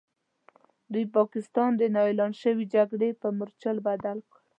دوی پاکستان د نا اعلان شوې جګړې په مورچل بدل کړ.